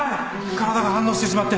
体が反応してしまって。